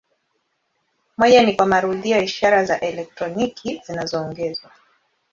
Moja ni kwa marudio ya ishara za elektroniki zinazoongezwa.